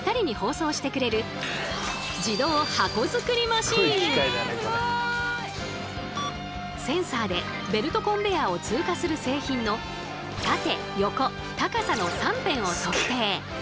こちらはセンサーでベルトコンベヤーを通過する製品の縦横高さの三辺を測定。